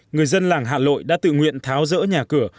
người dân làng hạ lội đã tự nguyện tháo rỡ nhà cửa